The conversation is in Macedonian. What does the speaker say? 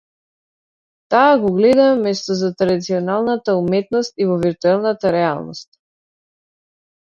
Таа го гледа место за традиционалната уметност и во виртуелната реалност.